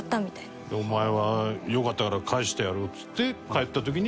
富澤：お前は、良かったから帰してやろうっつって帰った時に。